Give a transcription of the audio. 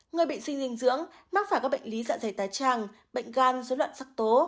người bị suy dinh dưỡng mắc phải các bệnh lý dạ dày tái tràng bệnh gan dối loạn sắc tố